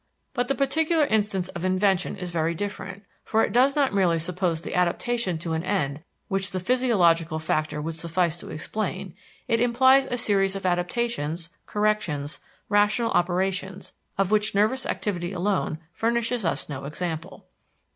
But the particular instance of invention is very different; for it does not merely suppose the adaptation to an end which the physiological factor would suffice to explain; it implies a series of adaptations, corrections, rational operations, of which nervous activity alone furnishes us no example.